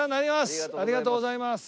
ありがとうございます。